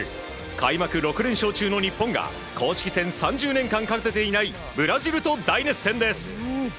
開幕６連勝中の日本が公式戦３０年間勝てていないブラジルと大熱戦です。